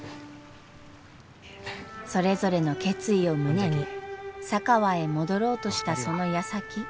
それぞれの決意を胸に佐川へ戻ろうとしたそのやさき。